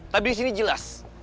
tapi di sini jelas